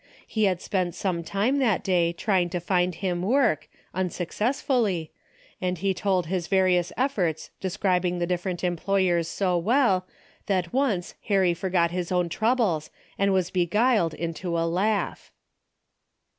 He had spent some time that day trying to find him work, unsuccessfully, and he told his vari ous efforts describing the different employers so well, that once Harry forgot his own trou bles and was beguiled into a laugh.